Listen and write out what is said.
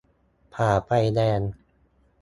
- ฝ่าไฟแดง